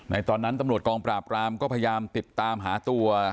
ตอนนั้นตำรวจกองปราบรามก็พยายามติดตามหาตัว